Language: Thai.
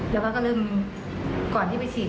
แล้วป้าก็เริ่มก่อนที่ไปฉีด